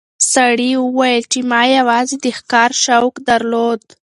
سړي وویل چې ما یوازې د ښکار شوق درلود.